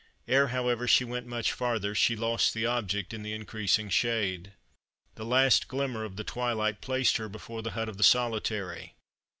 Ere, however, she went much farther, she lost the object in the increasing shade. The last glimmer of the twilight placed her before the hut of the Solitary.